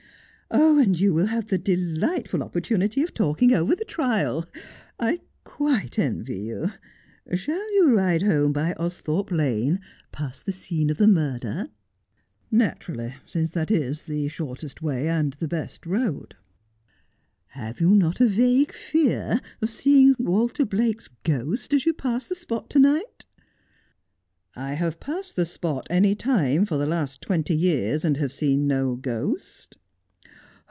'And you will have a delightful opportunity of talking over the trial. ' I quite envy you. Shall you ride home by Austhorpe Lane, past the scene of the murder ?'' Naturally, since that is the shortest way and the best road.' 62 Just as I Am. ' Have you not a vague fear of seeing Walter Blake's ghost as you pass the spot to night 1 '' I have passed the spot any time for the last twenty years, and have seen no ghost.'